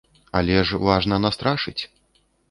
Але ж важна настрашыць!